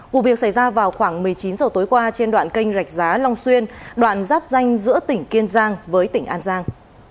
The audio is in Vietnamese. vụ việc xảy ra vào khoảng một mươi chín h tối qua trên đoạn kênh rạch giá long xuyên đoạn giáp danh giữa tỉnh kiên giang với tỉnh an giang